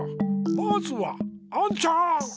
まずはアンちゃん！